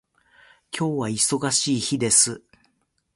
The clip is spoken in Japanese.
今日は忙しい日です。